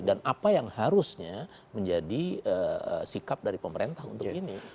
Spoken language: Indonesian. dan apa yang harusnya menjadi sikap dari pemerintah untuk ini